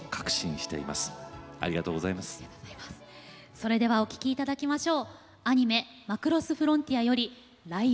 それではお聴きいただきましょう。